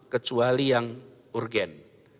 kecuali yang urgen